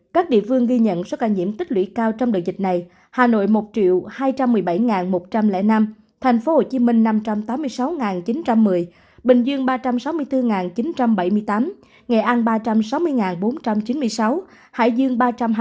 các địa phương ghi nhận số ca nhiễm tích lũy cao trong đợt dịch này hà nội một hai trăm một mươi bảy một trăm linh năm tp hcm năm trăm tám mươi sáu chín trăm một mươi bình dương ba trăm sáu mươi bốn chín trăm bảy mươi tám nghệ an ba trăm sáu mươi bốn trăm chín mươi sáu hải dương ba trăm hai mươi bốn